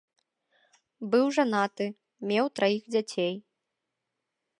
Быў жанаты, меў траіх дзяцей.